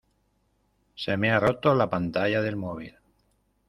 Se me ha roto la pantalla del móvil.